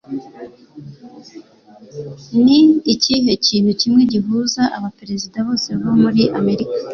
Ni ikihe kintu kimwe gihuza abaperezida bose bo muri Amerika?